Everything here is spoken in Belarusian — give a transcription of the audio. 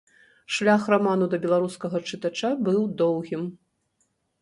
Шлях раману да беларускага чытача быў доўгім.